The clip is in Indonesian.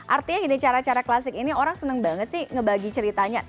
artinya gini cara cara klasik ini orang senang banget sih ngebagi ceritanya